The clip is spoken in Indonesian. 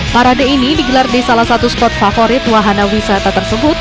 parade ini digelar di salah satu spot favorit wahana wisata tersebut